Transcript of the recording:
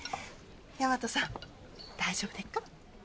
大和さん大丈夫でっか？